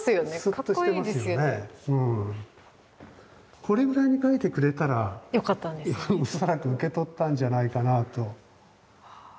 これぐらいに描いてくれたら恐らく受け取ったんじゃないかなぁと。